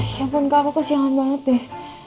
ya ampun kak aku kesiangan banget deh